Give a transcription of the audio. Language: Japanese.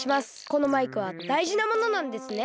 このマイクはだいじなものなんですね？